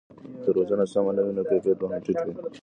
که روزنه سمه نه وي نو کیفیت به هم ټیټ وي.